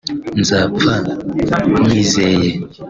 nzapfa nyiyizeye